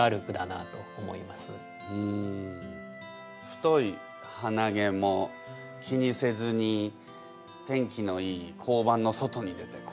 太いはなげも気にせずに天気のいい交番の外に出てこう。